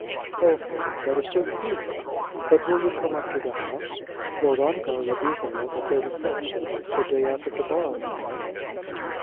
"Oh, Harry! that is so cruel! But you will come up to the house. Lord Ongar will be there on the thirty first; the day after to morrow, you know."